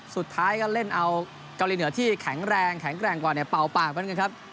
สุดท้ายก็เล่นเอาเกาหลีเหนือที่แข็งแรงแข็งแกร่งกว่าเนี่ยเป่าปากเหมือนกันครับ